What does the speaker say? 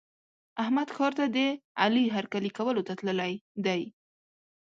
احمد ښار ته د علي هرکلي کولو ته تللی دی.